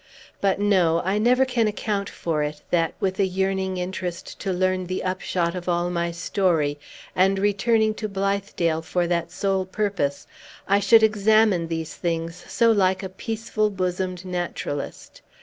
But no, I never can account for it, that, with a yearning interest to learn the upshot of all my story, and returning to Blithedale for that sole purpose, I should examine these things so like a peaceful bosomed naturalist.